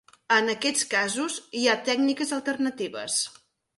En aquests casos, hi ha tècniques alternatives.